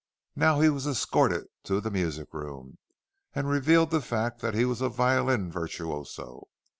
Now he was escorted to the music room, and revealed the fact that he was a violin virtuoso.